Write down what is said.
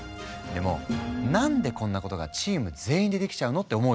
でも何でこんなことがチーム全員でできちゃうのって思うよね？